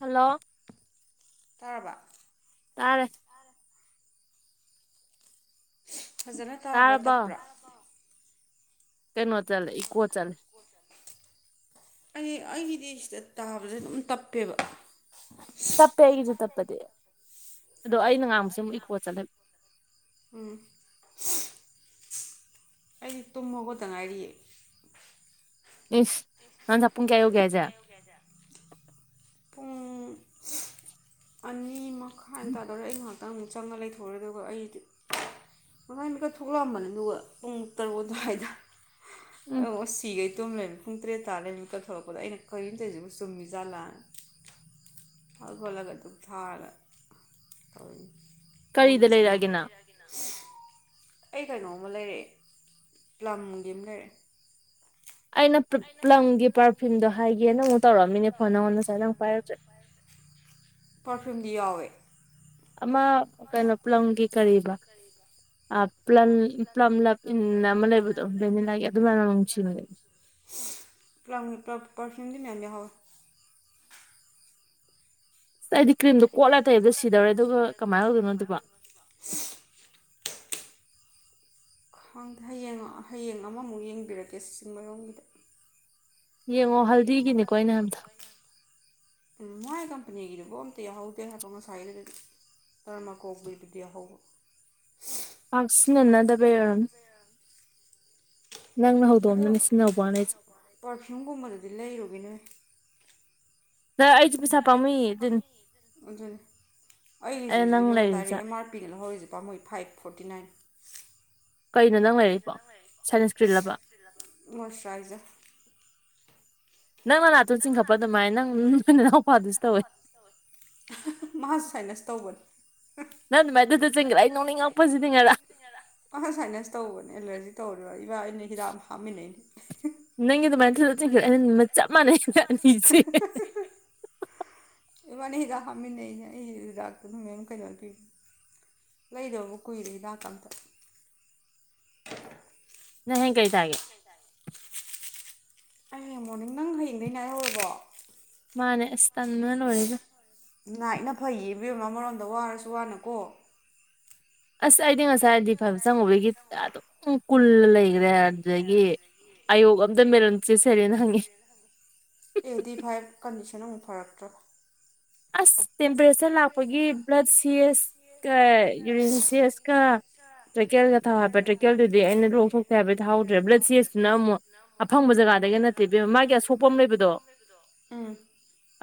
hello ꯇꯥꯔꯕ ꯇꯥꯔꯦ ꯐꯖꯅ ꯇꯥꯕ꯭ꯔꯥ ꯇꯞꯄ꯭ꯔꯥ ꯀꯩꯅꯣ ꯆꯂꯦ ꯏꯀꯣ ꯆꯥ ꯑꯩ ꯑꯩꯒꯤꯗꯤ ꯁꯤꯗ ꯇꯥꯕꯗ ꯑꯗꯨꯝ ꯇꯞꯄꯦꯕ ꯇꯞꯄꯦ ꯑꯩꯒꯤꯁꯨ ꯇꯞꯄꯗꯤ ꯑꯗꯣ ꯑꯩꯅ ꯉꯥꯡꯃꯦ ꯑꯃꯨꯛ ꯏꯀꯣꯠ ꯆꯠꯂꯦ ꯎꯝ ꯑꯩ ꯇꯨꯝꯃ ꯈꯠꯇ ꯉꯥꯏꯔꯤꯌꯦ ꯏꯁ ꯅꯥꯟ ꯁꯄꯨꯨꯡ ꯀꯌꯥꯒꯦ ꯍꯥꯏꯖ ꯄꯨꯡ ꯑꯅꯤ ꯃꯈꯥꯏ ꯇꯥꯗꯣꯔꯔꯦ ꯑꯩ ꯉꯥꯏꯍꯥꯛꯇꯪ ꯑꯃꯨꯛ ꯆꯪꯉ ꯂꯩꯊꯣꯛꯣꯔꯦ ꯑꯗꯨꯒ ꯑꯩꯗꯤ ꯀꯉꯥꯏꯅꯀ ꯊꯣꯛꯂꯛꯑꯝꯕꯅꯦ ꯑꯗꯨꯒ ꯄꯨꯡ ꯇꯔꯨ ꯑꯗꯨ꯭ꯋꯥꯏꯗ ꯑ ꯁꯤꯈꯩ ꯇꯨꯝꯂꯅ ꯄꯨꯡ ꯇꯔꯦꯠ ꯇꯥꯔ ꯂꯩ ꯅꯨꯃꯤꯠ ꯊꯣꯛꯂꯛꯄꯗ ꯑꯩꯅ ꯀꯔꯤꯝ ꯆꯩꯔꯤꯁꯤꯕꯨꯨ ꯆꯨꯝ ꯃꯤꯖꯥꯠꯂꯥ ꯍꯠ ꯈꯣꯠꯂꯒ ꯑꯗꯨꯝ ꯊꯥꯒ ꯇꯧꯋ ꯏꯃꯨꯡꯗ ꯆꯠ ꯑꯩ ꯀꯩꯅꯣꯃ ꯂꯩꯔꯑꯦ ꯄꯒꯤ ꯑꯃ ꯂꯩꯔꯑꯦ ꯑꯩꯅ ꯄꯪꯒꯤ ꯄꯔꯐ꯭ꯌꯨꯝꯗꯣ ꯍꯥꯏꯒꯦꯅ ꯅ ꯑꯃꯨꯛ ꯇꯧꯔꯛꯝꯃꯤꯅꯦ ꯐꯣꯟ ꯅꯉꯣꯟ ꯉꯁꯥꯏ ꯅꯪ ꯄꯥꯏꯔꯛꯇ꯭ꯔꯦ ꯄꯔꯐ꯭ꯌꯨꯝꯗꯤ ꯌꯥꯎꯋꯦ ꯑꯃ ꯀꯩꯅꯣ ꯄꯂꯝꯒꯤ ꯀꯔꯤꯕ ꯑ ꯄ꯭ꯂꯂꯝ ꯄ꯭ꯂꯂꯝꯝ ꯂ ꯑꯃ ꯂꯩꯕꯨ ꯄꯦꯟꯅꯤ ꯂꯒꯦ ꯑꯗꯨ ꯃꯅꯡꯁꯤ ꯂꯩ ꯄ꯭ꯂ ꯄꯔꯐ꯭ꯌꯨꯝꯗꯤ ꯃꯌꯥꯝꯅꯦ ꯍꯋꯥ ꯑꯩꯗꯤ ꯀ꯭ꯔꯤꯝꯗꯣ ꯀꯣꯠꯂ ꯇꯩꯕꯗꯣ ꯁꯤꯗꯧꯔꯦ ꯑꯗꯨꯒ ꯀꯃꯥꯏꯅ ꯇꯧꯗꯣꯏꯅꯣ ꯑꯗꯨꯕ [inaudible] ꯈꯥꯡꯗ ꯍꯌꯦꯡ ꯍꯌꯦꯡ ꯑꯃꯃꯨꯛ ꯌꯦꯡꯕꯤꯔꯛꯀꯦ ꯁꯤꯆꯤꯡꯃꯌꯣꯝꯒꯤꯗ ꯌꯦ ꯃꯣꯍꯜ ꯑꯣ ꯍꯜꯕꯤꯒꯤꯅꯤꯀꯣ [inaudible] ꯝ ꯃꯥꯏ ꯀꯝꯄꯅꯤꯒꯤꯗꯨꯕꯣ ꯑꯝꯇ ꯌꯥꯎꯍꯧꯗꯦ ꯍꯥꯏꯄꯣ ꯉꯁꯥꯏꯗꯨꯗꯤ ꯇꯔꯃ ꯀꯣꯛꯕꯕꯗꯤꯌꯥ ꯍ ꯑꯁꯤꯟꯟꯅꯗꯕ ꯌꯥꯔꯝ ꯅꯪꯅ ꯍꯧꯗꯣꯑꯝ ꯅꯅ ꯁꯤꯖꯤꯟꯅꯧꯕꯅ ꯑꯩꯁꯦ ꯄꯔꯐ꯭ꯌꯨꯝꯒꯨꯝꯕꯗꯗꯤ ꯂꯩꯔꯨꯒꯤꯅꯨ ꯍꯦ ꯑꯗꯨ ꯑꯩꯒꯤꯁꯤ ꯇꯥꯔꯦ ꯑ ꯑꯥꯔ ꯍꯥꯞꯄꯤꯒꯅꯣ ꯍꯧꯣꯔꯛꯁꯛ ꯄꯥꯝꯃꯣꯏ ꯐꯥꯏꯚ ꯐꯣꯔꯇꯤ ꯅꯥꯏꯟ ꯀꯩꯅꯣ ꯅꯪ ꯂꯩꯔꯏꯕꯣ ꯁꯟ ꯏꯁ꯭ꯀ꯭ꯔꯤꯟꯂꯕ ꯃꯣꯏꯁꯔꯥꯏꯖꯔ ꯅꯪꯅ ꯂꯅꯥꯇꯨ ꯆꯤꯡꯈꯠꯄ ꯑꯗꯨꯃꯥꯏꯅ ꯅꯪ ꯏꯅꯥꯎꯄꯥꯗꯨꯁꯨ ꯇꯧꯋꯦ ꯁꯥꯏꯅꯁ ꯇꯧꯕꯅꯤ ꯅꯪ ꯑꯗꯨꯃꯥꯏ ꯑꯗꯨꯗ ꯆꯪꯒꯦ꯭ꯔ ꯑꯩ ꯅꯣꯡꯩ ꯉꯛꯄꯁꯤꯗꯤ ꯉꯔꯥ ꯑꯥ ꯁꯥꯏꯅꯁ ꯇꯧꯕꯅꯦ ꯑꯦꯂꯔꯖꯤ ꯇꯧꯔꯤꯕ ꯏꯕꯥ ꯑꯩꯅ ꯍꯤꯗꯥꯛ ꯑꯃ ꯍꯥꯞꯃꯤꯟꯅꯩꯅꯦ ꯅꯪꯒꯤ ꯑꯗꯨꯃꯥꯏꯅ ꯊꯜꯂ ꯆꯈ꯭ꯔ ꯑꯅꯤ ꯆꯞ ꯃꯥꯟꯅꯩ ꯑꯅꯤꯁꯦ ꯏ ꯃꯥꯅ ꯍꯤꯗꯥꯛ ꯍꯥꯞꯃꯤꯟꯅꯩ ꯑꯩ ꯑꯩ ꯍꯤꯗꯥꯛꯇꯗꯨ ꯃꯦꯝ ꯀꯩꯅꯣ ꯄꯤꯕꯤꯌꯨ ꯂꯩꯗꯕ ꯑꯃꯨꯛ ꯀꯨꯏꯔꯦ ꯍꯤꯗꯥꯛ ꯑꯝꯇ ꯅ ꯍ ꯀꯩꯇꯥꯑꯦ ꯑꯩ ꯃꯣꯔꯅꯤꯡ ꯅꯪ ꯍꯌꯦꯡꯗꯒꯤꯩꯅ ꯍꯥꯏꯔꯔꯕꯣ ꯃꯥꯅꯦꯁ ꯇꯥꯟꯅꯣꯔꯦꯒ ꯅꯥꯏꯅ ꯐꯩꯌꯦ ꯃꯤꯑꯣꯏ ꯑꯃꯔꯣꯝꯗ ꯋꯥꯔꯁꯨ ꯋꯥꯅꯀꯣ ꯑꯁ ꯑꯩꯗꯤ ꯉꯁꯥꯏꯗꯤ ꯐꯕ ꯆꯪꯉꯨꯕꯒꯤ ꯑꯗꯨꯝ ꯀꯨꯜ ꯂꯩꯈ꯭ꯔꯦ ꯑꯗꯨꯗꯒꯤ ꯑꯌꯣꯛ ꯑꯝꯇ ꯃꯔꯝ ꯆꯦꯁꯔꯦꯅ ꯍꯪꯉꯤ ꯑꯦ ꯗꯤ ꯐꯥꯏꯞ ꯀꯟꯗꯤꯁꯟ ꯑꯃꯨꯛ ꯐꯔꯛꯇ꯭ꯔꯣ ꯑꯁ ꯇꯦꯝꯄꯔꯦꯆꯔ ꯂꯥꯛꯄꯒꯤ ꯕ꯭ꯂꯗ ꯁꯤꯁ ꯀ ꯌꯨꯔꯤꯟ ꯁꯤꯁꯀ ꯇ꯭ꯔꯀꯦꯜꯒ ꯊꯥꯎ ꯍꯥꯞꯄ ꯇ꯭ꯔꯀꯦꯜꯗꯨꯗꯤ ꯑꯩꯅ ꯂꯣꯛꯊꯣꯛꯇꯦ ꯍꯥꯏꯕꯗꯤ ꯊꯥꯎꯗ꯭ꯔꯦ ꯕ꯭ꯂꯠ ꯁꯦꯁꯁꯤꯅ ꯑꯃꯨꯛ ꯑꯐꯪꯕ ꯖꯒꯥꯗꯒꯤ ꯅꯠꯇꯦꯕꯦꯝ ꯃꯥꯒꯤ ꯑꯁꯣꯛꯄ ꯑꯃ ꯂꯩꯕꯗꯣ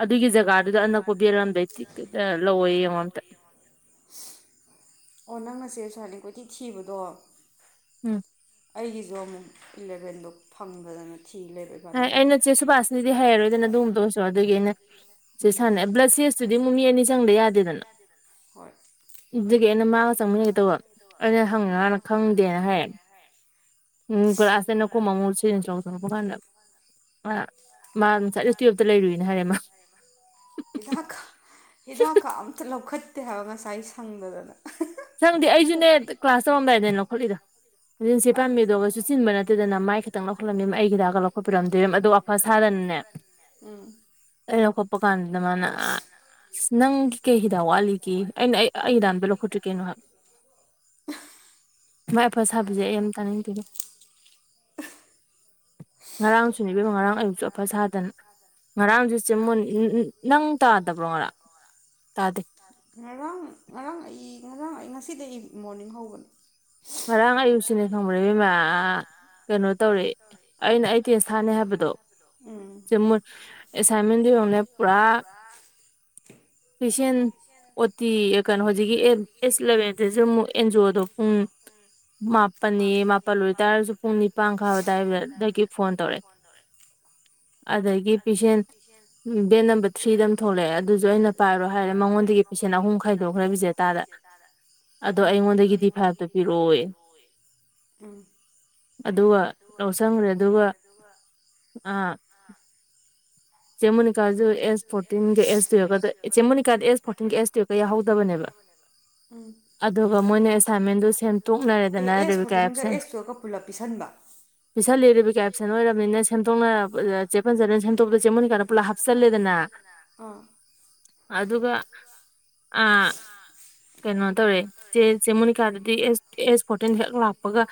ꯑꯗꯨꯒꯤ ꯖꯒꯥꯗꯨꯗ ꯑꯅꯛꯄ ꯕꯔꯂꯝꯝꯗꯩ ꯂꯧꯋꯦ ꯌꯦꯡꯉꯣ ꯑꯝꯇ ꯑꯣ ꯅꯪ ꯑꯁꯦ ꯁꯔꯅꯤ ꯀꯣꯇꯤ ꯊꯤꯕꯗꯣ ꯎꯝ ꯑꯩꯒꯤꯁꯨ ꯑꯃꯨꯛ ꯏꯂꯚꯦꯟꯗꯣ ꯐꯪꯕꯗꯅ ꯊꯤ ꯂꯩꯕ ꯍꯥꯏ ꯑꯩꯅ ꯆꯦ ꯁꯨꯕꯥꯁꯅꯤꯗꯤ ꯍꯩꯔꯣꯏꯗꯅ ꯑꯗꯨꯒꯨꯝꯕꯇ ꯑꯣꯏꯔꯁꯨ ꯑꯗꯨꯒꯤ ꯑꯩꯅ ꯁ ꯁꯥꯟꯅꯩ ꯕ꯭ꯂ ꯁꯦꯁꯇꯨꯗꯤ ꯃꯃꯤ ꯑꯅꯤ ꯆꯪꯗ ꯌꯥꯗꯦꯗꯅ ꯑꯗꯨꯒꯤ ꯑꯩꯅ ꯃꯥꯒ ꯆꯪꯃꯤꯟꯅꯒꯦ ꯇꯧꯕ ꯑꯩꯅ ꯍꯪꯉ ꯉꯥꯟꯅ ꯈꯪꯗꯦꯅ ꯍꯥꯏ ꯎꯝꯥꯁꯦꯅꯈꯣ ꯃꯃꯁꯤ ꯆ ꯊꯃ ꯑ ꯃꯥ ꯉꯁꯥꯏ ꯇꯨꯌꯦꯞꯇ ꯂꯩꯔꯨꯏꯅ ꯍꯥꯏꯔꯦꯃ ꯍꯤꯗꯥꯛꯀ ꯍꯤꯗꯥꯛꯀ ꯑꯝꯇ ꯂꯧꯈꯠꯇꯦ ꯍꯥꯏꯕ ꯉꯁꯥꯏ ꯁꯪꯗꯗꯅ ꯁꯪꯗꯤ ꯑꯩꯁꯨꯅꯦ ꯀ꯭ꯂꯥꯁ ꯇꯧꯔꯝꯗꯥꯏꯗ ꯂꯧꯈꯠꯂꯤꯗꯣ ꯑꯗꯨꯖꯤꯤꯟꯁꯦ ꯄꯥꯝꯕꯤꯗꯣꯒꯁꯨ ꯆꯤꯟꯕ ꯅꯠꯇ ꯑꯗꯨꯗꯅ ꯃꯥꯏ ꯈꯤꯇꯪ ꯂꯧꯈꯠꯂꯝꯃꯤ ꯑꯩ ꯍꯤꯗꯥꯛꯀ ꯂꯧꯈꯠꯄꯤꯔꯝꯗꯣꯏ ꯑꯗꯣ ꯑꯐꯁꯗꯅꯅꯦ ꯀꯣꯄ ꯀꯟꯗ ꯃꯅ ꯁ ꯅꯪꯒꯤ ꯀꯩ ꯍꯤꯗꯥꯛ ꯋꯥꯠꯂꯤꯒꯦ ꯑꯩꯅ ꯑꯩ ꯑꯩ ꯏꯗꯥꯟꯥꯟꯕ ꯂꯧꯈꯠꯇ꯭ꯔꯤ ꯀꯩꯅꯣ ꯍꯥꯏꯕ ꯃꯥꯏ ꯑꯄꯥ ꯁꯥꯕꯁꯦ ꯑꯩ ꯑ ꯇꯥꯅꯤꯡꯗꯒꯦ ꯉꯔꯥꯡꯁꯨ ꯕꯤꯕꯣ ꯉꯔꯥꯡ ꯑꯌꯨꯛꯁꯨ ꯑꯐ ꯁꯥꯗꯅ ꯉꯔꯥꯡꯗꯨ ꯆꯦꯃꯨꯅꯤ ꯅꯪ ꯇꯥꯗꯕ꯭ꯔꯣ ꯉꯔꯥꯡ ꯇꯥꯗꯦ ꯉꯔꯥꯡ ꯉꯔꯥꯡ ꯑꯩ ꯉꯔꯥꯡ ꯑꯩ ꯉꯁꯤꯗꯤ ꯑꯩ ꯃꯣꯔꯅꯤꯡ ꯍꯧꯕꯅꯤ ꯉꯔꯥꯡ ꯑꯌꯨꯛꯁꯤꯅꯦ ꯈꯪꯕ ꯏꯃ ꯀꯩꯅꯣ ꯇꯧꯔꯦ ꯑꯩꯅ ꯑꯩ ꯇꯦꯟ ꯊꯥꯅꯤ ꯍꯥꯏꯕꯗꯣ ꯑꯦꯁꯥꯏꯟꯃꯦꯟꯅꯦ ꯄꯨꯔꯥ ꯐꯤꯁꯟ ꯑꯣ ꯇꯤ ꯀꯩꯅꯣ ꯍꯧꯖꯤꯛꯀꯤ ꯑꯦꯖ ꯏꯂꯚꯦꯟꯁꯤꯁꯨ ꯑꯃꯨꯛ ꯑꯦꯟꯖꯤ ꯑꯣꯗꯣ ꯄꯨꯡ ꯃꯥ ꯃꯥꯄꯅꯤ ꯃꯥꯄꯜꯂ ꯑꯣꯏꯇꯥꯏꯔꯗꯤ ꯄꯨꯡ ꯥꯡ ꯐꯋꯥꯏꯗ ꯑꯩꯗꯒꯤ ꯐꯣꯟ ꯇꯧꯔꯛꯑꯦ ꯑꯗꯒꯤ ꯄꯤꯁꯦꯟ ꯕꯦꯟ ꯅꯝꯕꯔ ꯗꯦꯠ ꯅꯝꯕꯔ ꯊ꯭ꯔꯤꯗ ꯑꯃ ꯊꯣꯛꯂꯛꯑꯦ ꯑꯗꯨꯁꯨ ꯑꯩꯅ ꯄꯥꯏꯔꯣ ꯍꯥꯏꯔꯦ ꯃꯉꯣꯟꯗꯒꯤ ꯄꯤꯁ ꯑꯍꯨꯝ ꯈꯥꯏꯗꯣꯛꯈꯔꯁꯦ ꯇꯥꯔ ꯑꯗꯣ ꯑꯩꯉꯣꯟꯗꯒꯤꯗꯤ ꯐꯥꯏꯚꯇ ꯄꯤꯔꯛꯑꯣꯏ ꯑꯗꯨꯒ ꯂꯧꯁꯟꯈ꯭ꯔꯦ ꯑꯗꯨꯒ ꯑꯥ ꯕ ꯎꯝ ꯑꯦ ꯑꯦꯁ ꯐꯣꯔꯇꯤꯟꯒ ꯑꯦꯁ ꯇꯨꯋꯜꯀ ꯄꯨꯂꯞ ꯄꯤꯁꯟꯕ ꯄꯩꯁꯥ ꯂꯤ ꯀꯌꯥ ꯄꯁꯦꯟ ꯑꯣꯏꯔꯕꯅꯤꯅ ꯁꯦꯝꯗꯣꯛꯅ ꯆꯦꯞꯄꯟꯖꯅ ꯁꯦꯝꯣꯛꯄ ꯃ ꯀꯅ ꯄꯨꯜꯂꯞ ꯍꯥꯞꯆꯜꯂꯦꯗꯅ ꯑꯗꯨꯒ ꯑ ꯀꯩꯅꯣ ꯇꯧꯔꯦꯦ ꯆꯦ ꯃꯨꯅꯤꯀꯥꯗꯗꯤ ꯑꯦꯖ ꯑꯦꯁ ꯐꯣꯔꯇꯤꯟ ꯍꯦꯛ ꯂꯥꯛꯄꯒ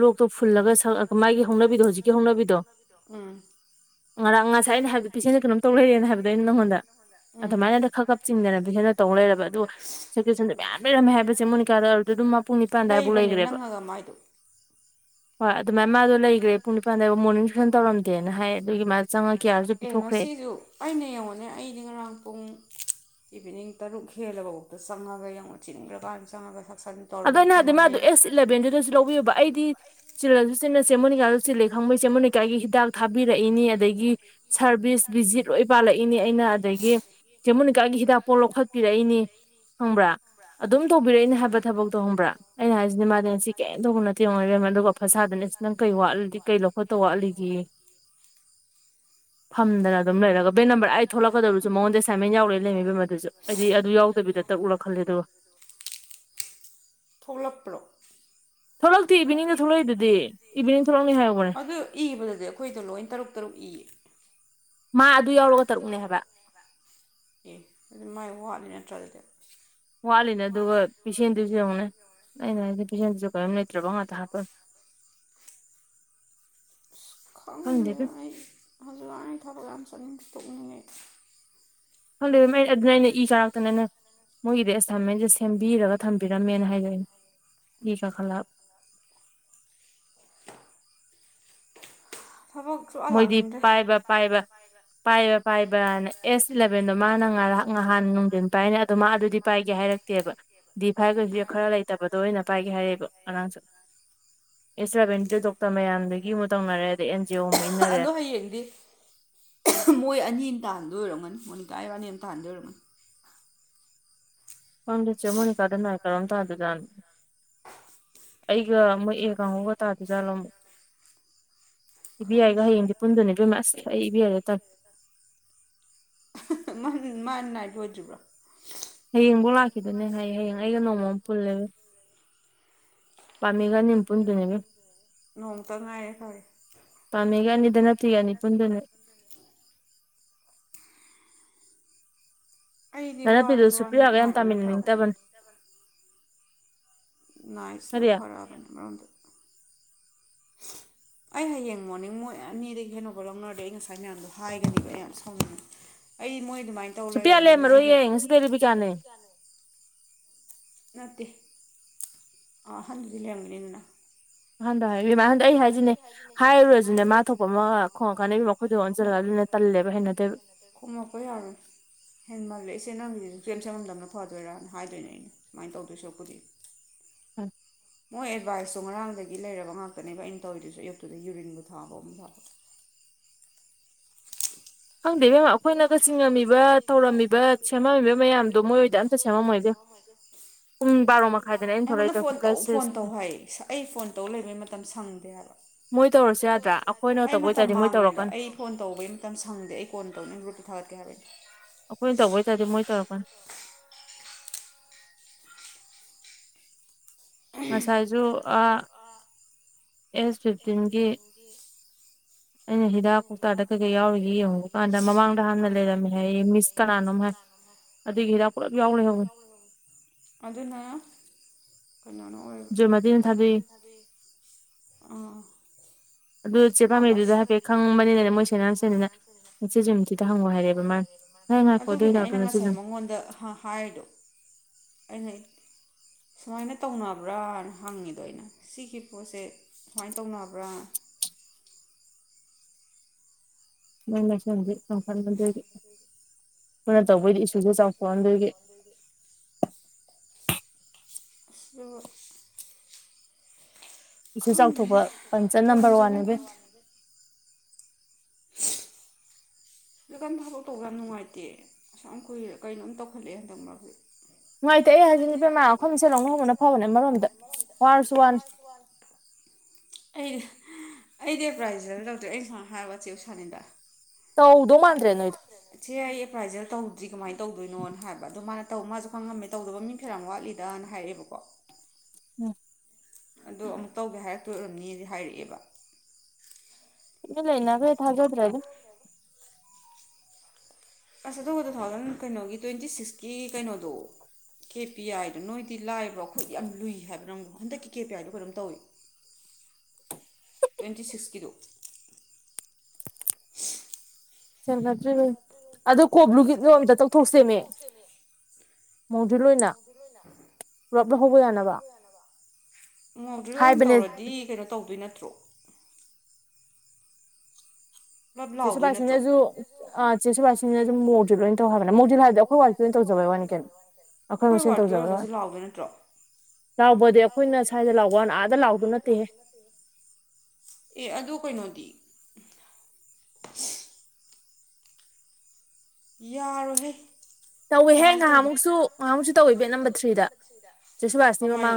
ꯂꯣꯛꯇꯣ ꯐꯨꯜꯂꯒ ꯁꯛꯑ ꯃꯥꯒꯤ ꯍꯧꯅꯕꯤꯗꯣ ꯍꯧꯖꯤꯛꯀꯤ ꯍꯧꯅꯕꯤꯗꯣ ꯎꯝ ꯉꯔꯥꯡ ꯉꯁꯥꯏ ꯑꯩꯅ ꯍꯥꯏꯕ ꯄꯦꯁꯦꯟꯁꯦ ꯀꯩꯅꯝ ꯇꯧꯔ ꯂꯩꯔꯦꯅ ꯍꯥꯏꯕꯗꯣ ꯑꯩꯅ ꯅꯪꯉꯣꯟꯗ ꯑꯗꯨꯃꯥꯏꯅꯗꯤ ꯈꯔ ꯈꯞ ꯆꯤꯡꯗꯅ ꯄ ꯈꯦꯅ ꯇꯧꯅ ꯂꯩꯔꯕ ꯑꯗꯨꯒ ꯁꯦꯀꯦꯁꯟꯗ ꯃꯌꯥꯝ ꯂꯩꯔꯝꯃꯦ ꯍꯥꯏꯕꯁꯦ ꯃꯣꯅꯤꯀꯥꯗ ꯑꯗꯨꯔꯗꯤ ꯑꯗꯨꯝ ꯃꯄꯨꯡ ꯅꯤꯄꯥꯟ ꯑ ꯑꯗꯨꯋꯥꯏꯐꯥꯎ ꯂꯩꯈ꯭ꯔꯦꯕ ꯍꯣꯏ ꯑꯗꯨꯃꯥꯏꯅ ꯃꯥꯗꯣ ꯂꯩꯈ꯭ꯔꯦ ꯄꯨꯡ ꯅꯤꯄꯥꯟꯗꯕꯨ ꯃꯣꯔꯅꯤꯡ ꯁꯦꯁꯟ ꯇꯧꯔꯝꯗꯦꯅ ꯍꯥꯏ ꯑꯗꯨꯒꯤ ꯃꯥ ꯑꯦ ꯉꯁꯤꯁꯨ ꯑꯩꯅ ꯌꯦꯡꯉꯣꯅꯦ ꯑꯩꯗꯤ ꯉꯔꯥꯡ ꯄꯨꯡ ꯏꯚꯤꯅꯤꯡ ꯇꯔꯨꯛ ꯍꯦꯜꯂꯕꯐꯥꯎꯗ ꯆꯪꯉꯒ ꯌꯥꯝꯧꯉ ꯆꯤꯅꯤꯡꯕ꯭ꯔꯀꯥꯟꯗ ꯆꯪꯉꯒ ꯁꯛꯅꯤꯡ ꯑꯗ ꯍꯥꯏꯗꯤ ꯃ ꯑꯗꯨ ꯑꯦꯁ ꯂꯚꯦꯟꯗꯨꯗꯁꯨ ꯂꯧꯕꯤꯌꯨꯕ ꯑꯩꯗꯤ ꯆꯤꯜꯂꯁꯨ ꯆꯤꯟꯅꯅ ꯆꯦꯃꯣꯅꯤꯀꯥꯁꯨ ꯆꯤꯜꯂꯦ ꯈꯪꯕꯩ ꯆꯦꯃꯣꯅꯤꯀꯥ ꯀꯒꯤ ꯍꯤꯗꯥꯛ ꯊꯥꯕꯤꯔꯛꯏꯅꯤ ꯑꯗꯒꯤ ꯁꯔꯚꯤꯁ ꯚꯤꯖꯤꯠ ꯂꯣꯏ ꯄꯥꯜꯂꯛꯏꯅꯤ ꯑꯩꯅ ꯑꯗꯒꯤ ꯖꯦꯃꯨꯅꯤꯀꯥꯒꯤ ꯍꯤꯗꯥꯛꯐꯥꯎ ꯂꯧꯈꯠꯄꯤꯔꯛꯏꯅꯤ ꯈꯪꯕ꯭ꯔꯥ ꯑꯗꯨꯝ ꯇꯧꯕꯤꯔꯛꯏꯅꯦ ꯍꯥꯏꯕ ꯊꯕꯛ ꯇꯧꯍꯕ꯭ꯔꯥ ꯑꯩꯅ ꯍꯥꯏꯁꯤꯅꯦ ꯃꯥꯅꯦ ꯁꯤ ꯀꯩꯝꯇꯧꯕ ꯅꯠꯇꯦꯡꯉꯔꯦꯝꯝꯃꯦ ꯑꯗꯨꯒ ꯐꯁꯥꯗꯅ ꯁꯤ ꯅꯪ ꯀꯩ ꯋꯥꯠꯂꯤꯗꯤ ꯀꯩ ꯂꯧꯈꯠꯇ ꯋꯥꯠꯂꯤꯒꯦ [inaudible] ꯐꯝꯗꯅ ꯑꯗꯨꯝ ꯂꯩꯔꯒ ꯕꯦꯟ ꯅꯝꯕꯔ ꯑꯩ ꯊꯣꯛꯂꯛꯀꯗꯧꯔꯁꯨ ꯃꯉꯣꯟꯗ ꯑꯦꯁꯥꯏꯟꯃꯦꯟ ꯌꯥꯎꯔꯛꯦ ꯂꯩꯃꯤꯕ ꯃꯗꯨꯁꯨ ꯑꯩꯗꯤ ꯑꯗꯨ ꯌꯥꯎꯗꯕꯤꯗ ꯇꯛꯂ ꯈꯜꯂꯦ ꯑꯗꯨꯒ ꯊꯣꯛꯂꯛꯄ꯭ꯔꯣ ꯑꯗꯨ ꯏꯕꯗꯗꯤ ꯑꯩꯈꯣꯏꯗꯣ ꯂꯣꯏ ꯇꯔꯨꯛ ꯇꯔꯨꯛ ꯏꯌꯦ ꯑꯦ ꯑꯗꯨ ꯃꯥꯏ ꯋꯥꯠꯂꯤ ꯅꯇ꯭ꯔꯣ ꯑꯗꯨꯗꯤ ꯋꯥꯠꯂꯤꯗ ꯑꯗꯨꯒ ꯄꯤꯁꯦꯟꯗꯨꯁꯨ ꯌꯦꯡꯉꯨꯅꯦ ꯑꯩꯅꯗꯤ ꯄꯦꯁꯦꯟꯗꯁꯨ ꯀꯅꯥꯝ ꯂꯩꯇ꯭ꯔꯕ ꯉꯥꯛꯇ ꯍꯥꯞꯄꯝꯃꯦ ꯈꯪꯗꯦꯗ ꯑꯩ ꯍꯧꯖꯤꯛ ꯊꯥꯕꯛ ꯌꯥꯝ ꯆꯠꯅꯤꯡꯗꯦ ꯇꯣꯛꯅꯤꯡꯉꯦ ꯑꯩ ꯈꯜꯜꯂꯤꯦ ꯃ ꯑꯗꯨꯅ ꯑꯩꯅ ꯏ ꯆꯥꯔꯛꯇꯅꯅ ꯃꯣꯏꯒꯤꯗꯤ ꯑꯦꯁꯥꯏꯟꯃꯦꯟ ꯆꯠꯁꯦ ꯁꯦꯝꯕꯤꯔꯒ ꯊꯝꯕꯤꯔꯝꯃꯦꯅ ꯍꯥꯏꯖꯣꯛꯏꯅꯦ ꯏ ꯀꯥꯈꯂꯥ ꯊꯕꯛ ꯃꯣꯏꯗꯤ ꯄꯥꯏꯕ ꯄꯥꯏꯕ ꯄꯥꯏꯕ ꯄꯥꯏꯕꯅ ꯑꯦꯖ ꯏꯂꯚꯦꯟꯗꯣ ꯃꯥꯅ ꯉꯥꯏꯍꯥꯛ ꯉꯥꯏꯍꯥꯟ ꯅꯨꯡꯊꯤꯟ ꯄꯥꯏꯔꯛ ꯑꯗꯣ ꯃꯥ ꯑꯗꯨꯗꯤ ꯄꯥꯏꯒꯦ ꯍꯥꯏꯔꯛꯇꯦꯕ ꯗꯤ ꯐꯥꯏꯒꯁꯨ ꯈꯔ ꯂꯩꯇꯕ ꯇꯣꯏꯅ ꯄꯥꯏꯒꯦ ꯍꯥꯏꯔꯛꯑꯦꯕ ꯑꯉꯥꯡꯁꯦ ꯑꯦ ꯔꯥꯚꯦꯟꯗꯨꯣ ꯗꯣꯛꯇꯔ ꯃꯌꯥꯝꯗꯨꯒꯤ ꯑꯃꯨꯛ ꯇꯧꯅꯔꯦ ꯑꯗ ꯑꯦꯟ ꯖꯤ ꯑꯣ ꯑꯗꯣ ꯍꯌꯦꯡꯗꯤ ꯃꯣꯏ ꯑꯅꯤ ꯇꯥꯟꯗꯣꯏ ꯑꯣꯏꯔꯝꯒꯅꯤ ꯃꯣꯅꯤꯀꯥ ꯏꯕꯥꯅꯤ ꯑꯃ ꯇꯥꯟꯗꯣꯏꯔꯝꯒꯅꯤ ꯈꯪꯗꯦ ꯆꯦ ꯃꯣꯅꯤꯀꯥ ꯑꯗꯨꯅ ꯍꯥꯏ ꯀ꯭ꯔꯣꯝ ꯇ ꯑꯗꯨ ꯇꯥꯟ ꯑꯩꯒ ꯃꯣꯏ ꯑꯦ ꯀꯥꯡꯍꯧꯒ ꯇꯥꯗꯣꯏ ꯆꯥꯠꯂꯝ ꯏꯕꯦ ꯌꯥꯏꯒ ꯍꯌꯦꯡꯗꯤ ꯄꯨꯟꯗꯨꯅꯦ ꯑꯗꯨꯣꯏꯃ ꯑꯁ ꯑꯩ ꯏꯕꯤ ꯌꯥꯔꯗ ꯇꯝꯦ ꯃꯥ ꯅꯥꯏꯠ ꯂꯣꯏꯗꯔꯤꯕ꯭ꯔꯣ ꯍꯌꯦꯡꯐꯥꯎ ꯂꯥꯛꯈꯤꯗꯅꯦ ꯍꯥꯏꯌꯦ ꯍꯌꯦꯡ ꯑꯩꯒ ꯅꯣꯡꯃ ꯑꯃ ꯄꯨꯜꯂꯦꯕ ꯄꯃꯤꯒ ꯅꯤꯡꯅꯤꯝꯄꯨꯟꯗꯨꯅꯦꯕ ꯅꯣꯡꯃꯇꯪ ꯉꯥꯏꯔꯦ ꯐꯥꯔꯦ ꯄꯥꯝꯃꯦꯒ ꯑꯅꯤ ꯗꯅꯠꯇꯤ ꯒ ꯑꯅꯤ ꯄꯨꯟꯗꯨꯅ ꯗꯅꯕꯤꯇꯤꯗꯨ ꯁꯨꯄ꯭ꯔꯤꯌꯥꯒ ꯌꯥꯝ ꯇꯥꯃꯤꯟꯅ꯫ꯅꯤꯡꯗꯕꯅꯦ ꯉꯥꯏꯆꯅ ꯐꯔꯥꯕꯦꯟꯅ ꯃꯔꯣ ꯑꯩ ꯍꯌꯦꯡ ꯃꯣꯔꯅꯤꯡ ꯃꯣꯏ ꯑꯅꯤꯗꯒꯤ ꯍꯦꯅ ꯑꯣꯕꯔ ꯂꯧꯅꯔꯗꯤ ꯑꯩ ꯉꯁꯥꯏ ꯃꯌꯥꯝꯗꯣ ꯍꯥꯏꯒꯅꯦꯕ ꯑꯩ ꯌꯥꯝ ꯁꯥꯎꯅꯅꯦ ꯑꯩ ꯃꯣꯏ ꯑꯗꯨꯃꯥꯏ ꯁꯨꯇꯤꯌꯥꯜꯂꯦꯃ ꯃꯔꯣꯏꯌꯦ ꯉꯁꯤꯗꯩ ꯂꯩꯔꯤꯕꯀꯥꯅꯦ ꯅꯠꯇꯦ ꯑ ꯍꯟꯗꯤ ꯂꯩꯔꯝꯒꯅꯤꯅꯤꯅ ꯑꯍꯗꯣ ꯍꯥꯏꯦꯃ ꯍꯟꯗꯣ ꯑꯩ ꯍꯥꯏꯁꯤꯅꯦ ꯍꯥꯏꯔꯨꯔꯁꯤꯅꯦ ꯃꯥ ꯊꯣꯛꯄ ꯑꯃ ꯈꯣꯡꯉꯀꯥꯟꯗꯒꯤ ꯍꯣꯏꯗꯣꯛ ꯑꯣꯟꯁꯤꯜꯂꯒ ꯑꯗꯨꯣꯏꯅ ꯇꯜꯂꯦꯕ ꯍꯩꯅꯗꯦꯕ ꯈꯣꯝꯃꯛꯄ ꯌꯥꯔꯣꯏ ꯍꯦꯟꯃꯜꯂꯦ ꯏꯆꯦ ꯅꯪꯒꯤꯗꯤꯦꯝ ꯁꯦꯝꯃꯝꯗꯕꯅ ꯐꯗꯣꯏꯔꯥ ꯍꯥꯏꯗꯣꯏꯅꯦ ꯑꯩꯅ ꯃꯥꯏ ꯇꯧꯗꯣꯏ ꯁꯔꯨꯛꯄꯨꯗꯤ ꯎꯝ ꯃꯣꯏ ꯑꯦꯗꯚꯥꯏꯁꯇꯣ ꯉꯔꯥꯡꯗꯒꯤ ꯂꯩꯔꯕ ꯉꯥꯛꯇꯅꯦꯕ ꯑꯩꯅ ꯇꯧꯔꯤꯗꯨꯁꯨ ꯑꯌꯨꯛꯇꯨꯗ ꯌꯨꯔꯤꯟꯕꯨ ꯊꯥꯕꯣ ꯑꯃꯨꯛ ꯊꯥꯕ ꯈꯪꯗꯦ ꯃꯦꯝ ꯑꯩꯈꯣꯏꯅꯒ ꯆꯤꯡꯉꯝꯃꯤꯕ ꯊꯧꯔꯝꯃꯤꯕ ꯁꯦꯝꯃꯝꯃꯤꯕ ꯃꯌꯥꯝꯗꯣ ꯃꯣꯏꯗꯤ ꯑꯝꯇ ꯁꯦꯝꯃꯝꯃꯣꯏꯗꯤ ꯑꯩꯉꯣꯟꯗ ꯐꯣꯟ ꯇꯧ ꯐꯣꯟ ꯇꯧ ꯍꯥꯏꯌꯦ ꯁꯥ ꯑꯩ ꯐꯣꯟ ꯇꯧ ꯂꯩꯕꯩ ꯃꯇꯝ ꯁꯪꯗꯦ ꯍꯥꯏꯕ ꯑꯩ ꯃꯇꯝ ꯃꯥꯡꯉꯦꯕ ꯑꯩ ꯐꯣꯟ ꯇꯧꯕꯩ ꯃꯇꯝ ꯁꯪꯗꯦ ꯑꯩ ꯀꯣꯟ ꯇꯧꯅꯕ ꯔꯨꯠꯇꯨ ꯊꯥꯒꯠꯀꯦ ꯍꯥꯏꯕꯅꯤ ꯑꯩꯈꯣꯏꯅ ꯇꯧꯕ ꯑꯣꯏꯇꯥꯔꯗꯤ ꯃꯣꯏ ꯇꯧꯔꯛꯄꯅꯤ [unintelligible] ꯑꯦꯁ ꯐꯤꯞꯇꯤꯟꯒꯤ ꯑꯩꯅ ꯍꯤꯗꯥꯛ ꯀꯧꯇꯥꯔꯗ ꯀꯩꯀꯩ ꯌꯥꯎꯔꯤꯒꯦ ꯌꯦꯡꯉꯨꯕꯀꯥꯟꯗ ꯃꯃꯥꯡꯗ ꯍꯥꯟꯅ ꯂꯩꯔꯝꯃꯦ ꯍꯥꯏꯌꯦ ꯃꯤꯁ ꯀꯅꯥꯅꯣꯝ ꯍꯥꯏ ꯑꯗꯨꯗꯒꯤ ꯍꯤꯗꯥꯛ ꯄꯨꯂꯞ ꯌꯥꯎ ꯂꯩꯍꯧꯕꯅꯦ ꯑꯗꯨꯅ [unintelligible] [unintelligible] ꯑꯣ ꯑꯗꯨ ꯆꯦ ꯄꯥꯝꯃꯦ ꯗꯨꯗ ꯍꯥꯏꯐꯦꯠ ꯈꯪꯕꯅꯤꯅꯅꯦ ꯃꯣꯏ ꯁꯦꯅꯤꯌꯥꯔ ꯃꯁꯦꯟꯅꯤꯅ ꯅꯆꯦ ꯖꯣꯏꯃꯥꯇꯤꯗ ꯍꯪꯉꯣ ꯍꯥꯏꯔꯦꯕ ꯃꯥꯅ ꯍꯥꯏ ꯉꯥꯏꯈꯣ ꯑꯗꯣꯏ ꯂꯥꯛꯇꯅꯁꯨ ꯑꯗꯨꯝ ꯃꯉꯣꯟꯗ ꯍꯥ ꯍꯥꯏꯗꯣ ꯑꯩꯅ ꯁꯨꯃꯥꯏꯅ ꯇꯧꯅꯕ꯭ꯔꯥꯅ ꯍꯪꯉꯤꯗꯣ ꯑꯩꯅ ꯁꯤꯒꯤ ꯄꯣꯠꯁꯦ ꯁꯃꯥꯏꯟ ꯇꯧꯅꯕ꯭ꯔꯥ ꯃꯣꯏ ꯂꯥꯏꯁꯪꯁꯤ ꯆꯥꯎꯈꯠꯍꯗꯣꯏꯒꯤ ꯑꯩꯈꯣꯏꯅ ꯇꯧꯕꯩꯗꯤ ꯏꯁꯨꯁꯨ ꯆꯥꯎꯊꯣꯛꯍꯟꯗꯣꯏꯒꯤ ꯑꯗꯨꯕꯨ ꯏꯁꯨ ꯆꯥꯎꯊꯣꯛꯄ ꯄꯟꯆꯠ ꯅꯝꯕꯔ ꯋꯥꯟ ꯏꯕꯦ [inaudible] ꯍꯧꯖꯤꯛ ꯀꯥꯟ ꯊꯕꯛ ꯇꯧꯕꯗ ꯌꯥꯝ ꯅꯨꯡꯉꯥꯏꯇꯦ ꯑꯁꯨꯛꯌꯝ ꯀꯨꯏꯔꯦ ꯀꯩꯅꯣꯝ ꯇꯧꯈꯠꯂꯑꯦ ꯍꯟꯗꯛ ꯃꯔꯛꯁꯤ ꯅꯨꯡꯉꯥꯏꯇꯦ ꯑꯩ ꯍꯥꯏꯖꯤꯅꯤ ꯑꯩꯈꯣꯏ ꯃꯁꯦꯜ ꯂꯧꯅꯍꯧꯕꯅ ꯐꯕꯅꯦ ꯃꯔꯣꯝꯗ ꯋꯥꯔꯁꯨ ꯋꯥꯅꯤ ꯑꯩꯗꯤ ꯑꯩꯗꯤ ꯄ꯭ꯔꯥꯏꯖ [unintelligible] ꯂꯧꯗ꯭ꯔꯦ ꯑꯩ ꯁꯨꯃꯥꯏ ꯍꯥꯏꯕ ꯆꯦ ꯎꯁꯥꯅꯤꯗ ꯇꯧꯗꯧ ꯃꯥꯥꯟ꯭ꯗꯔꯦ ꯅꯣꯏ ꯆꯦ ꯑꯩ ꯑꯦꯗꯚ꯭ꯔꯥꯏꯖꯔ ꯇꯧꯗ꯭ꯔꯤ ꯀꯃꯥꯏꯟ ꯇꯧꯗꯣꯏꯅꯣꯅ ꯍꯥꯏꯕ ꯑꯗꯣ ꯃꯥꯅ ꯇꯧ ꯃꯥꯁꯨ ꯈꯪꯉꯝꯃꯦ ꯇꯧꯗꯕ ꯃꯤ ꯐꯅꯌꯥꯝ ꯋꯥꯠꯂꯤꯗꯅ ꯍꯥꯏꯔꯦꯕꯀꯣ ꯎꯝ ꯑꯗꯣ ꯑꯃꯨꯛ ꯇꯧꯒꯦ ꯍꯥꯏꯔꯛꯇꯣꯏ ꯑꯣꯏꯔꯝꯅꯤꯗꯤ ꯍꯥꯏꯔꯛꯑꯦꯕ ꯇꯨꯃꯤꯟ ꯂꯩꯅꯒ꯭ꯔꯦ ꯊꯖꯥꯗꯦꯗ ꯑꯁ ꯑꯗꯨꯕꯨ ꯇꯨ ꯊꯥꯎꯖꯟ ꯀꯩꯅꯣꯒꯤ ꯇ꯭ꯋꯦꯟꯇꯤ ꯁꯤꯛꯁꯀꯤ ꯀꯩꯅꯣꯗꯣ ꯀꯦ ꯄꯤ ꯑꯥꯏꯗꯣ ꯅꯣꯏꯗꯤ ꯂꯥꯏꯕ꯭ꯔꯣ ꯑꯩꯈꯣꯏꯗꯤ ꯌꯥꯝ ꯂꯨꯏ ꯍꯥꯏꯕ ꯅꯪ ꯍꯟꯗꯛꯀꯤ ꯀꯦ ꯄꯤ ꯑꯥꯏꯗꯣ ꯀꯩꯅꯣꯝ ꯇꯧꯏ [inaudible] ꯇ꯭ꯋꯦꯟꯇꯤ ꯁꯤꯛꯁꯀꯤꯗꯨ ꯆꯟꯅꯗ꯭ꯔꯤ ꯉꯩ ꯑꯗꯨ ꯀꯣꯛ [unintelligible] [unintelligible] ꯇꯧꯊꯣꯛꯁꯦꯃꯦ ꯃꯣꯡꯗꯨ ꯂꯣꯏꯅ ꯄꯨꯂꯞ ꯂꯧꯍꯧꯕ ꯌꯥꯅꯕ ꯃꯣꯛ ꯗꯔꯤꯜ ꯑꯣꯏꯅ ꯇꯧꯔꯗꯤ ꯀꯩꯅꯣ ꯇꯧꯗꯣꯏ ꯅꯠꯇ꯭ꯔꯣ ꯂꯞ ꯂꯥꯎꯗꯣꯏ ꯅꯠꯇ꯭ꯔꯣ [unintelligible] ꯑꯩꯈꯣꯏ ꯋꯥꯔꯗꯀꯤ ꯑꯣꯏꯔꯒꯁꯨ ꯂꯥꯎꯗꯣꯏ ꯅꯠꯇ꯭ꯔꯣ ꯂꯥꯎꯕꯗꯤ ꯑꯩꯈꯣꯏꯅ ꯁ꯭ꯋꯥꯏꯗ ꯂꯥꯎꯕ ꯋꯥꯅꯤ ꯂꯥꯎꯗꯧ ꯅꯠꯇꯦꯍꯦ ꯑꯦ ꯑꯗꯨ ꯀꯩꯅꯣꯗꯤ [unintelligible] ꯌꯥꯔꯣꯏꯍꯦ ꯇꯧꯋꯦꯍꯦ ꯉꯍꯥꯃꯨꯛꯁꯨ ꯉꯍꯃꯨꯛꯁꯨ ꯇꯧꯏ ꯕꯦꯠ ꯅꯝꯕꯔ ꯊ꯭ꯔꯤꯗ ꯀꯃꯥꯏ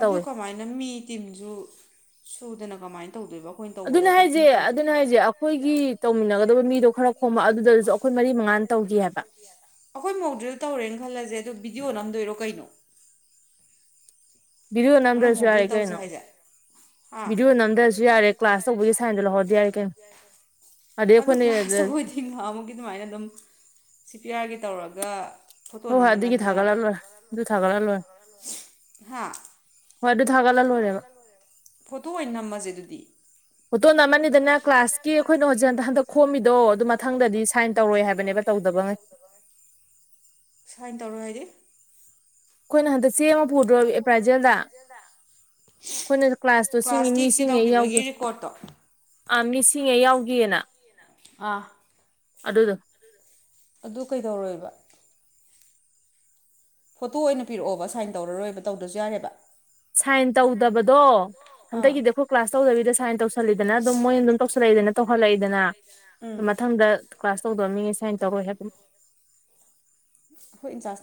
ꯑꯗꯨ ꯀꯃꯥꯏꯅ ꯃꯤ ꯇꯤꯝꯖꯨ ꯁꯨꯗꯅ ꯀꯃꯥꯏꯟ ꯇꯧꯗꯣꯏꯕ ꯑꯗꯨꯅꯦ ꯍꯥꯏꯖꯦ ꯑꯗꯨꯅꯦ ꯍꯥꯏꯖꯦ ꯑꯩꯈꯣꯏꯒꯤ ꯇꯧꯃꯤꯟꯅꯒꯗꯕ ꯃꯤꯗꯣ ꯈꯔ ꯈꯣꯝꯕ ꯑꯗꯨꯗꯖꯨ ꯑꯈꯣꯏ ꯃꯔꯤ ꯃꯉꯥꯥ ꯅ ꯇꯧꯒꯤ ꯍꯥꯏꯕ ꯑꯩꯈꯣꯏ ꯃꯧꯗ꯭ꯔꯤꯜ ꯇꯧꯔꯦꯅ ꯈꯜꯂꯖꯦ ꯑꯗꯣ ꯕꯤꯗꯤꯑꯣ ꯅꯝꯗꯣꯏꯔꯣ ꯀꯩꯅꯣ ꯉꯥꯔꯥꯡ ꯃꯣꯛ ꯗꯔꯤꯜ ꯇꯧꯖꯦ ꯍꯥꯏꯗ ꯍꯥ ꯕꯤꯗꯤꯌꯣ ꯅꯝꯗꯔꯥꯖꯨ ꯌꯥꯔꯦ ꯀ꯭ꯂꯥꯁ ꯇꯧꯕꯒꯤ ꯁꯥꯏꯟꯗꯣ ꯂꯧꯍꯧꯔꯗꯤ ꯌꯥꯔꯦ ꯑꯗꯣ ꯀ꯭ꯂꯥꯁꯇ ꯑꯣꯏꯗꯤ ꯉꯥꯍꯟꯃꯨꯛꯀꯤ ꯑꯗꯨꯃꯥꯏꯅ ꯑꯗꯨꯝ ꯁꯤ ꯄꯤ ꯑꯥꯔꯒꯤ ꯇꯧꯔꯒ ꯐꯣꯇꯣ ꯅꯝꯕꯅ ꯑꯗꯨꯝ ꯌꯥꯗ꯭ꯔꯣ ꯍꯥ ꯐꯣꯇꯣ ꯑꯣꯏꯅ ꯅꯝꯃꯖꯦ ꯑꯗꯨꯗꯤ ꯐꯣꯇꯣ ꯅꯝꯃꯅꯤꯗꯅ ꯀ꯭ꯂꯥꯁꯀꯤ ꯑꯩꯈꯣꯏꯅ ꯍꯧꯖꯤꯛ ꯍꯟꯗꯛ ꯈꯣꯝꯃꯤꯗꯣ ꯑꯗꯨ ꯃꯊꯪꯗꯗꯤ ꯗꯗꯤ ꯁꯥꯏꯟ ꯇꯧꯔꯣꯏ ꯍꯥꯏꯕꯅꯦꯕ ꯇꯧꯗꯕꯒꯩ [inaudible] ꯁꯥꯏꯟ ꯇꯧꯔꯣꯏ ꯍꯥꯏꯗꯤ ꯑꯩꯈꯣꯏꯅ ꯍꯟꯗꯛ ꯆꯦ ꯑꯃ ꯄꯨꯗ꯭ꯔꯣ ꯑꯦꯄ꯭ꯔꯥꯏꯖꯦꯜꯗ ꯑꯩꯈꯣꯏꯅ ꯀ꯭ꯂꯥꯁꯇꯣ ꯁꯤꯡꯉꯤ ꯃꯤ ꯁꯤꯡꯉꯩ ꯌꯥꯎꯒꯦ ꯑꯥ ꯃꯤ ꯁꯤꯡꯉꯒꯩ ꯌꯥꯎꯒꯤꯅ ꯑꯥ ꯑꯗꯨ ꯀꯩꯗꯧꯔꯣꯏꯕ ꯐꯣꯇꯣ ꯑꯣꯏꯅ ꯄꯤꯔꯛꯑꯣꯕ ꯁꯥꯏꯟ ꯇꯧꯔꯔꯣꯏꯕ ꯇꯧꯗ꯭ꯔꯁꯨ ꯌꯥꯔꯦꯕ ꯁꯥꯏꯟ ꯇꯧꯗꯕꯗꯣ ꯍꯟꯗꯛꯀꯤꯗꯤ ꯑꯩꯈꯣꯏ ꯀ꯭ꯂꯥꯁ ꯇꯧꯗꯕꯤꯗ ꯁꯥꯏꯟ ꯇꯧꯁꯜꯂꯤꯗꯅ ꯑꯗꯨꯝ ꯃꯣꯏꯅ ꯑꯗꯨꯝ ꯇꯧꯁꯜꯂꯛꯏꯗꯅ ꯇꯧꯍꯜꯂꯛꯏꯗꯅ ꯃꯊꯪꯗ ꯀ꯭ꯂꯥꯁ ꯇꯧꯗꯧ ꯃꯤꯅꯤ ꯁꯨꯥꯏꯅ ꯇꯧꯔꯣꯏ ꯍꯥꯏꯕ ꯍꯣꯏ ꯏꯟ ꯆꯥꯁꯅꯍ